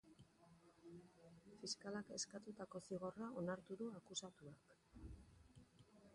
Fiskalak eskatutako zigorra onartu du akusatuak.